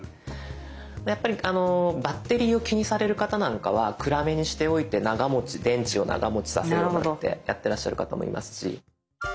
やっぱりバッテリーを気にされる方なんかは暗めにしておいて長持ち電池を長持ちさせようってやってらっしゃる方もいますし。